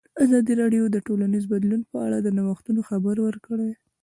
ازادي راډیو د ټولنیز بدلون په اړه د نوښتونو خبر ورکړی.